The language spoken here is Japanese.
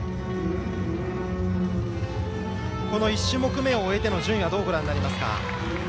この１種目めを終えての順位どうご覧になりますか？